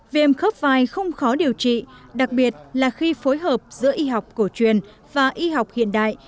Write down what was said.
viêm khớp vai không khó điều trị đặc biệt là khi phối hợp giữa y học cổ truyền và y học hiện đại